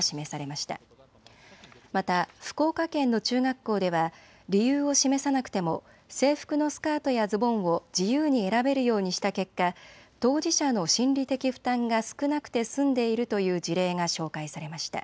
また福岡県の中学校では理由を示さなくても制服のスカートやズボンを自由に選べるようにした結果、当事者の心理的負担が少なくて済んでいるという事例が紹介されました。